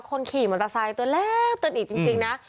คนขี่มันตาซายตัวแล้วเตือนอีกจริงนะ